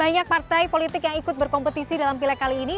banyak partai politik yang ikut berkompetisi dalam pilek kali ini